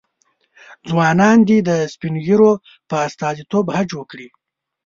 ځوانان دې د سپین ږیرو په استازیتوب حج وکړي.